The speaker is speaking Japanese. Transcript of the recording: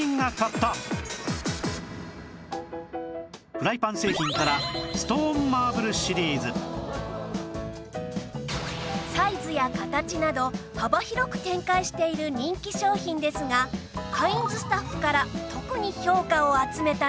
フライパン製品からサイズや形など幅広く展開している人気商品ですがカインズスタッフから特に評価を集めたのは